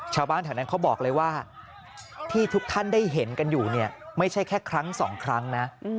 ชาวบ้านแถวนั้นเขาบอกเลยว่าที่ทุกท่านได้เห็นกันอยู่เนี่ยไม่ใช่แค่ครั้งสองครั้งนะ